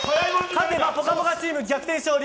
勝てば「ぽかぽか」チーム逆転勝利。